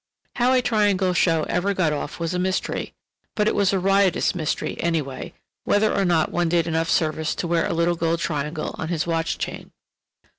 How a Triangle show ever got off was a mystery, but it was a riotous mystery, anyway, whether or not one did enough service to wear a little gold Triangle on his watch chain.